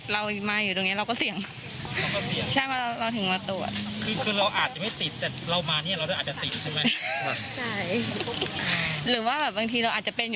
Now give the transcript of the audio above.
เรารอเวลาเดี๋ยว๖โหลช้าตอนนี้บ่าย๒โหลเลย